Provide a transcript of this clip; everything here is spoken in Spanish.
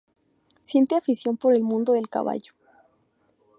Siente afición por el mundo del caballo.